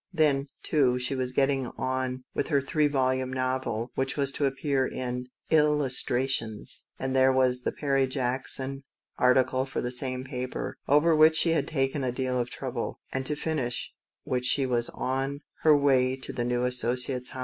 Then, too, she was getting on with her three volume novel, which was to appear first in lllusftratioriSj and there was the Perry Jackson article for the same paper, over which she had taken a deal of trouble, and to finish which she was on her way to the new Associate's house.